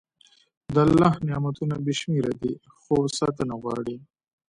د الله نعمتونه بې شمېره دي، خو ساتنه غواړي.